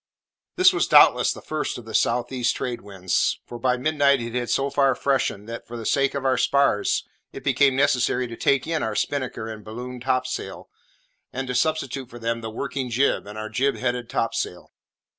This was doubtless the first of the south east trade winds; for by midnight it had so far freshened that, for the sake of our spars, it became necessary to take in our spinnaker and balloon topsail, and to substitute for them the working jib and our jib headed topsail.